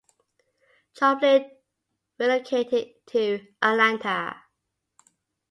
Joplin relocated to Atlanta.